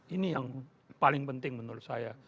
ini yang paling penting menurut saya